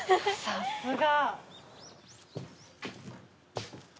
さすが。